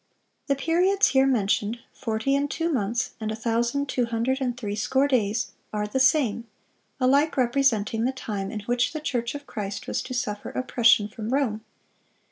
(385) The periods here mentioned—"forty and two months," and "a thousand two hundred and threescore days"—are the same, alike representing the time in which the church of Christ was to suffer oppression from Rome.